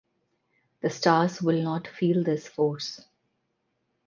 The stars will not feel this force.